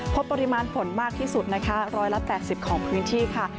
พบปริมาณฝนมากที่สุดนะคะ๑๘๐ของพื้นที่ค่ะ